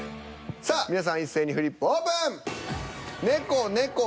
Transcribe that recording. さあ皆さん一斉にフリップオープン！